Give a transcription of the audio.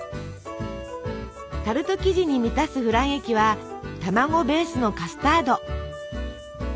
タルト生地に満たすフラン液は卵ベースのカスタード。